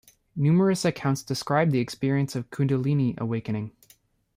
Numerous accounts describe the experience of Kundalini awakening.